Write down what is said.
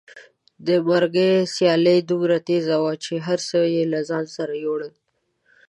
د مرګي سیلۍ دومره تېزه وه چې هر څه یې له ځان سره یوړل.